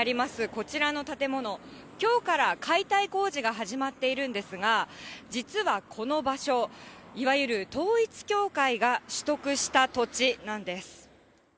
こちらの建物、きょうから解体工事が始まっているんですが、実はこの場所、いわゆる統一教会が取得した土地なんです。